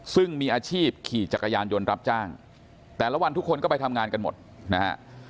ซึ่งมีอาชีพขี่จักรยานยนต์รับจ้างแต่ละวันทุกคนก็ไปทำงานกันหมดนะฮะ